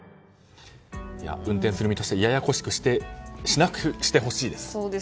運転する身としてややこしくしないでほしいです。